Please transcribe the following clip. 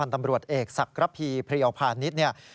๕๐๐๐ตำรวจเอกศักดิ์รัพย์พรีเอาพาณิชย์